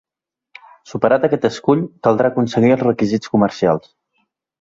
Superat aquest escull, caldrà aconseguir els requisits comercials.